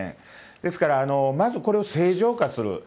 ですから、まずこれを正常化する。